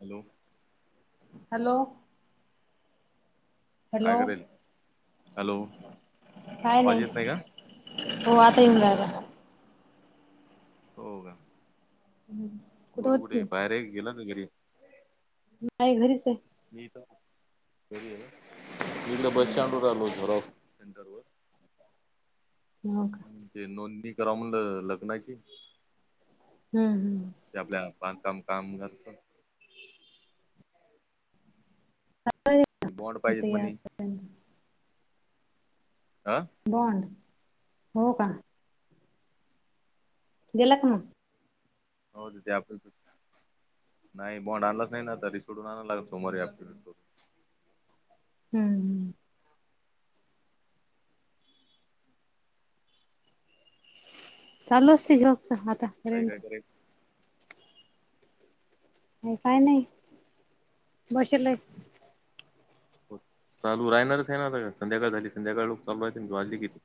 Hello. Hello. Hello काय करायली? Hello. काय आवाज नाय येत नाही का हो आता येऊन रायला. हो गा? हम्म. गोलू कुठेय बाहेर आहे की गेला तो घरी? नाय घरीच आहे. निता घरी आहे ना मी इकडं हम्म बसस्टॅंडवर आलोय थोडा. सेंटरवर हो का? हम्म, ते नोंदणी करावं म्हणलं लग्नाची. हम्म हम्म. ते आपल्या बांधकाम कामगाराचं [unintelligible] ती बॉड पाहिजेत इथे या म्हणी. आं बॉन्ड हो का? देला का म? हो ते तर. [unintelligible] नाय बॉंड आणलाच नाय ना तरी सोडून आणावं लागल सोमवारी. [unintelligible] हम्म. चालू असते झेरॉक्सचा आता. आई काय करेल? आणि काय नाही, बसेलोयच. हो चालू रहाणाऱ्यच हाय ना आता संध्याकाळ झाली संध्याकाळ लोकं चालू राहतील वाजले किती.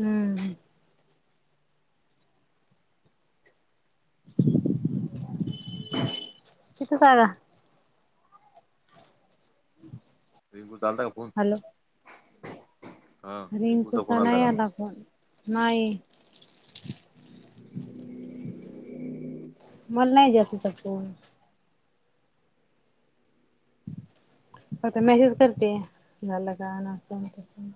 हम्म. [unintelligible] रिंकूचा आलता का फोन? हा रिंकूचा फोन रिंकुचा आलता नाय का आला फोन नाय. [inaudible] मला नाय हो जास्त. का [unintelligible] अ ते बरं मेसेज करत्या. झालं का ना असं तसं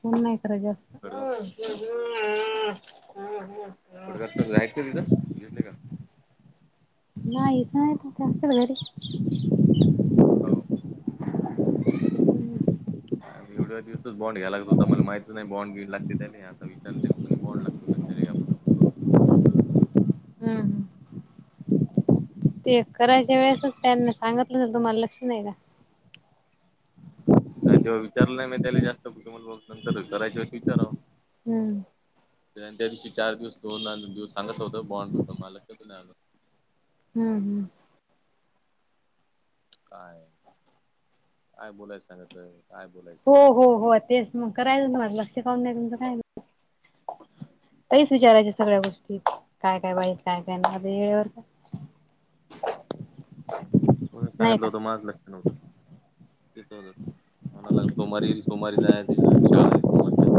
फोन नाय करयं जास्त. खडगाव हम्म हम्म [unintelligible] [unintelligible] जेेवले का? नाही इथं नाही असेल घरी. हो. आणि एवढ्या दिवसच बॉड घ्यायच लागत होत मला माहितच नाही बाॅड घेऊ लागते त्याने आ विचारल ते पण बॉन्ड लागतो. [unintelligible] आप [unintelligible] हम्म. ते करायच्या वेळेसच त्यांनी सांगितलं तर तुम्हाला लक्ष नाही का? नाही तेव्हा विचारलं नाही म्या त्याला जास्त मला बघ नंतर करायची असशी विचारावं. हम्म. त्या दिवशी चार दिवस दोन दिवस सांगत होतं बॉंड होतं म लक्ष नाही‌. हम्म. हम्म. काय काय बोलायचं सांगितलं काय बोलायचं? हो हो हो. तेच मग कयचं माझ लक्ष कावून नाही तुमचं काय? तहीच विचारायच्या सगळ्या गोष्टी काय काय बाई काय काय नाही? वेळेवर काय होतं नाही सांगितलं होतं का माझ लक्ष नव्हतं. ते हो म्हला सोमारी सोमावारी जाय तकडे शाळा आहे सोमरच्या.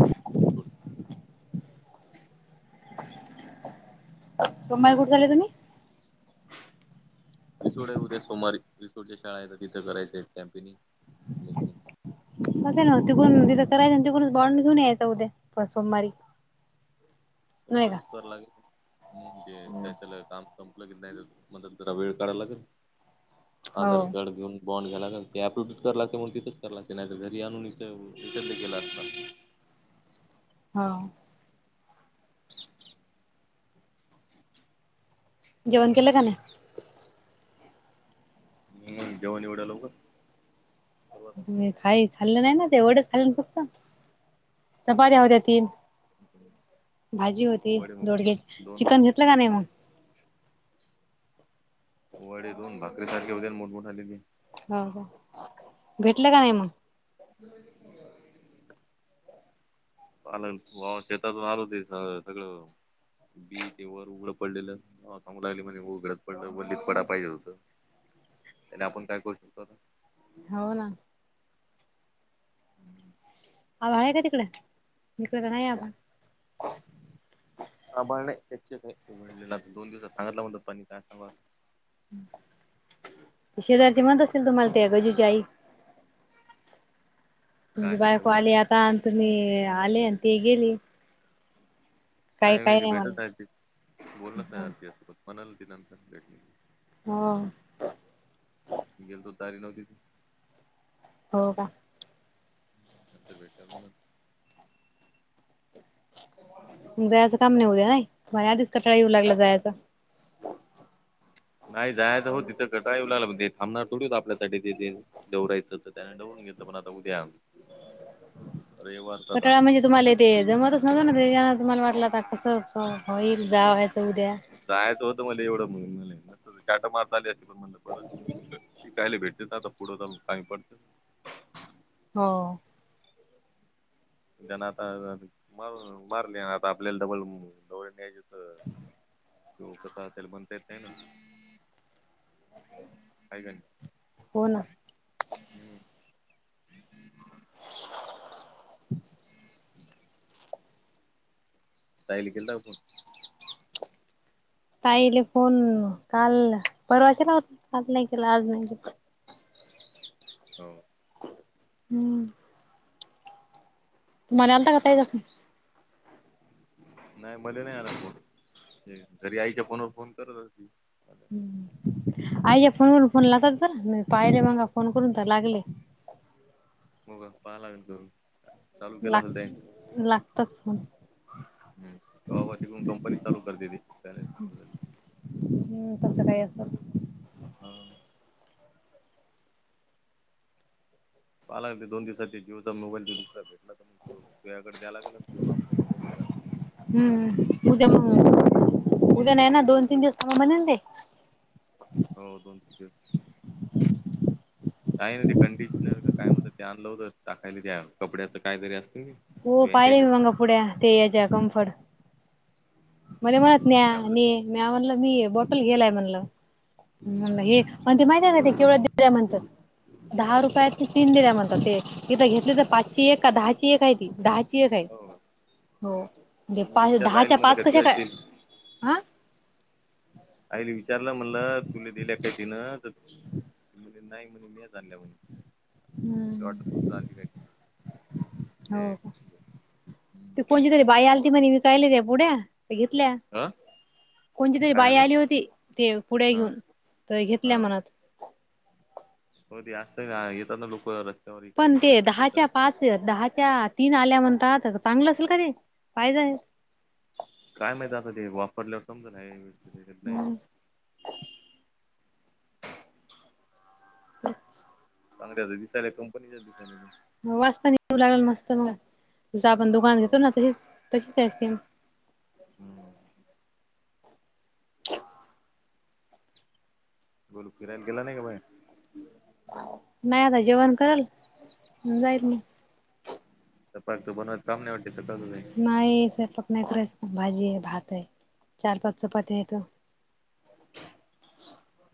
सोमवारी कुठे चालले तुम्ही? रिसोड आहे उद्या सोमवारी रिसोडच्या शाळा आहे तर तिथं करायचं आहेत कॅम्पिनिंग लक हो ना तिकून तिथं करायं आणि तिकूनच बॉनड घेऊन यायचं उद्या सोमवारी. हो नाही का तसच करां लागेल म्हणजे त्याच्या काम संपलं की नाही मग, जरा वेळ काढावा लागेल हो आधार कार्ड घेऊन बॉनड घेला ते आपडूट कर लाते तिथच कर लागते नाही घरी आणून इथं इकडं केला असता. हा. जेवण केलं का नाय? नाही जेवण एवढ्या लवकर. करू आता तुम्ही संध्याकाळी. खाई खाल्लं नाही ना ते एवढंच खाल्लंन फक्त. चपात्या होत्या तीन भाजी होती वडे मग दोडग्या दोन चिकन घेत कुठलं गाणं आहे मग. वडी दोन भाकरीसारखे व मोठमोठ आलेली. हो का भेटलं का नाही मग? [unintelligible] आ शेतातून आलो ते सगळं सगळं. बी ते वर उघडं पडलेलं. हो सांगू लागली म्हणे उघडत पडलं वल्लीत पडा पाहिजे होत त्याला आपण काय करू शकतो आता? हो ना. आभाळ आहे का तिकडं? इकड तर नाही आला. आभाळ नाही [unintelligible] त्याचे काही उघडलेलं दोन दिवसात सांगितला म्हणत पाणी काय सांगा. शेजारचे म्हणत असेल तुम्हाला ते गजूची आई. काय तुमची बायको कशाबद्दल आली आता, आणि तुम्ही आले आणि ते गेले. नाही माहिती भेटत राल म्हणलं. त बोलत नाही झाल त असतोत म्हणालं ती नंतर भेट. हो. गेलतो तयारी नव्हती ती. हो का? नंतर भेटताल मला. मग जायचं काम नाही उद्या नाहीला आधीच कंटाळा येऊ लागला जायचा. नाही जायचं हो तिथं कटाळं येऊ ला थांबणार थोडीच होत आपल्यासाठीठी तिथे. दौडायचं तर त्याने दडवून घेतलं पण आता उद्या रविवार आता कंटाळा म्हणजे, तुम्हांला ते जमतच नव्हतं ना, तुम्हाला वाटलं आता कसं होईल जावायचं उद्या. जायचं होतं मला एवढं म्हणे तर चाटा मारता आले असतं. म्हण बर शिकायला भेटते आता पुढं जाऊन काय पण. हो. त्यांना आता मार मारले आता, आपल्याला डबल जवळ न्यायची. बर. हो तसं त्याला म्हणता येत नाहीना, हाय का नाही. हो ना. हम्म. ह ताईली केलता का फोन. ताईले फोन काल परवा केला होता. आज नाही केलं आज नाही केलं. हो. हम्म. तुम्हाला आलता का ताईचा फोन. ह नाही मले नाही आला फोन ते घरी आईच्या फोनावर फोन करत होती. हम्म आईच्या फोन वरून फोन लावतात चला मी पाहिले मंगा फोन करून तर लागले. मगं पहा लागण करून. चाल. लाग लागताच फोन. हम् तवा पासून कंपनी चालू करते ते त्या. हम्म तसं काही असल. [unintelligible] पाहाला लागन ते दोन दिवसात ते जिओचा मोबाईल तो दुसरा भेटला तर मग तुह्याकडे द्याय लागलं. [unintelligible] [unintelligible] हम्म उद्या मग उद्या नाही ना, दोन तीन दिवस थांबा म्हणे ना ते. होव दोन तीव काय नाही ते कंडिशनर का काय म्हणता ते आणलं होतं टाकायला त्या कपड्याचं काय तरी अस हो पाहिले मी मंगा पुढ्या ते याच्या कम्फर्ट. म्हणे म्हणत म म्या मी म्हणलं मी बॉटल घेलाय म्हणल. मला एक आन ते माहिती आहे का ते केवळ्या दिल्या म्हणतात हा दहा रुपयात तीन दिल्या म्हणतात ते इथं घेतले तर पाचचीय का दहाचीय का आहे ती दहाची ची एक हाय हो हो दे का मी पाहे विचारलं आईला दहाच्या म्हणलं पाच कशा तुझ्याच काय ते आं. आईले विचारलं म्हणलं तुला दिल्या काय तिनं तर मी म्हणली नाय म्हणाली मी च आणल्या म्हण. लॉट चाली काय ऐक द्यायचं. ती कोणची तरी बाई आलती म्हणे विकायला त्या पुढ्या तर घेतल्या. कोणची तरी काय बाई झालं आली होती. ते पुढ्या हा घेऊन तर घेतल्या हा म्हणात. हो ते असतं ना, येताना लोक रस पण ते दहाच्या पाच. दहाच्या तीन आल्या म्हणतात. चांगलं असेल का ते काय तर. काय माहित आता ते वापरल्यावर समजा ना व्यस्च्यात नाही. [unintelligible] चांगले ते दिसायला कंपनीच्या दिसायला त्या. वास पण येऊ लागल मस्त म जस आपण दुकान हो घेतो ना तशीच तशीच आहे सेम. हम्. [unintelligible] गोलू फिरायला गेला नाही का बाहेर. नाही आता जेवण करल जाईल मग. तर फालतू बनवायचं काम नाही. वाटते सकाळ नाही. नाही स्वयपाक नाही करच भाजी आहे, भात आहे, चार पाच चपाती आहेेत.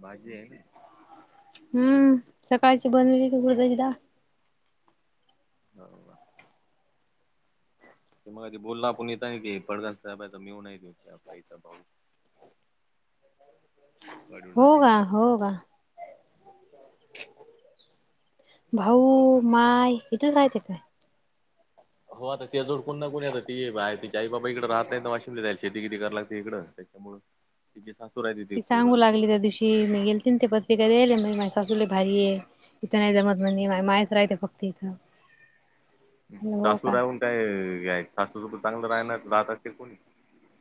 बाझी आहे का? हम्म सकाळची बनवलेली उडदाची डाळ. [inaudible] तुम्हाला ते बोललो नेते की तुम्हाला पडदा साहेबाचा मेव्हणा हाय की मायेचा भाऊ. पाडू हो दाखव. का हो का भाऊ, माय इथेच राहते काय? हो आता तेच उरकून दाखवून यायच ते बाय ते. ते आई बाबा इकड राहत नाही ना वाशी शे कितीराय लागते इकडं त्याच्यामूळ. तिची सासूर राहिली पोर सांगू लेकर लागली त्या दोन. दिवशी ती मी गेल ते पत्रिकले म माझ सासू लै भारी ये. इथं नाही दोन जमत म्हणे माझ मा राहते फक्त इथ. सासू राहून काय सासू चांगलं राहणार तुला आता त्रिकोण.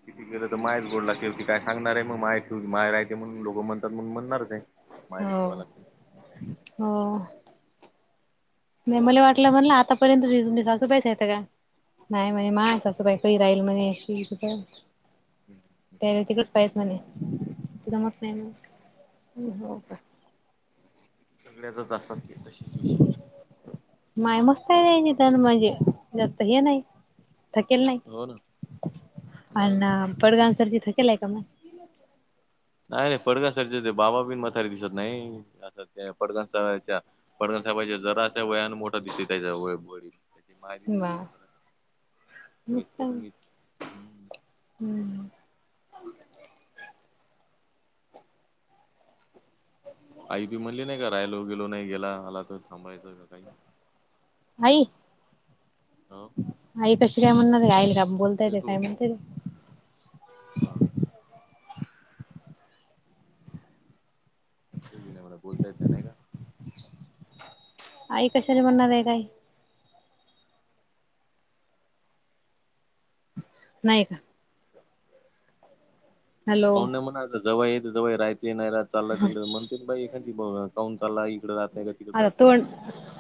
किती केलं तर मायच गोड लागते ती का असं. सांगणार आहे मग माय त मा राहते म्हग लोकं म्हणातण म्हणणारच आहे. हो मायलेच ठेवा लागते हो. नाही मला वाटलं म्हणलं आता परेन सासुबाई च आहेत का. नाही मनी माय सासुबाई काय करी राहील म्हणे कुई कुठून. [unintelligible] ते तिकडचं पाहेत म्हणे, जमत नाही हो का. सगळ्या जच असतात ते तसेच विषय. माय मस्त आहे [unintelligible] म्हणजे जास्त हे नाही. थकेल नाही हो ना नाही ना अ पडगावसरची थकेल आहे का मग. नाही नाही फडगणसाईच्या ते बाबा बि माथारी दिसत नाही. अस ते फडगणसाच्या. पडवळ साहेबांच्या वयानं जरासा मोठा दिसतोय. वा मस्त आहे. [unintelligible] हम्म. आई बी म्हणली नाही का राहिलो गेलो नाही गेला आला तर थांबायचं का काही. आई. होव. आई कशी काय म्हणणार आईला का बोलतायेते म्हणजे काय तू म्हणतायेते. हा.. [unintelligible] मला बोलता येत नाही नाही का. आई कशाला म्हणणार आहे काय. नाही का! हॅलो हो ना म्हणा जवळ येत जवळ राहते नाही रा चालला तिकडे म्हणते बाई एखादी बगा. पाहून चालला इकडे राहत नाही घरी. आता तोंड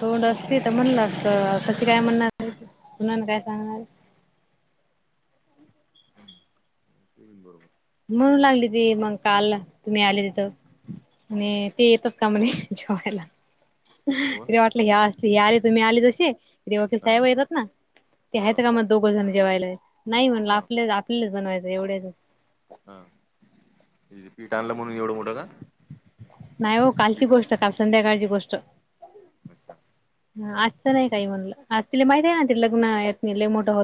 तोंड असती तर म्हणलं असत. कशी काय म्हणाली सूनला काय सांगणारी. ते येईन बरोबर. म्हणू लागली ती मग काल तुम्ही आले तिथं. आणि ते येतात का म्हणे जेवायला? कोण तीला वाटलं हे आले तुम्ही आले तसे. हा हा [unintelligible] दोघं जण जेवायला या. नाही म्हणलं हा आपल्या आपल्याच बनवायचं एवढ्याच. हा ते पीठ आणलं म्हणून एवढं मोठं का. नाही हो कालची पीठ गोष्ट काल संध्याकाळची गोष्ट. बचा. हा आजचं नाही काही म्हणलं आज तिला माहित आहे ते लग्न आहेत लय मोठं होत